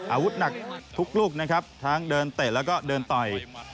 อาวุธหนักทุกลูกนะครับทั้งเดินเตะแล้วก็เดินต่อย